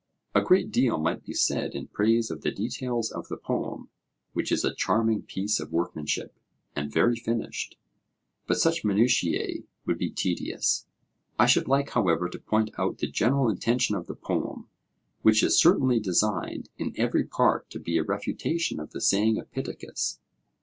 A great deal might be said in praise of the details of the poem, which is a charming piece of workmanship, and very finished, but such minutiae would be tedious. I should like, however, to point out the general intention of the poem, which is certainly designed in every part to be a refutation of the saying of Pittacus.